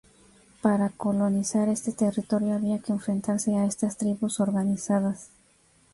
Para colonizar este territorio había que enfrentarse a estas tribus organizadas.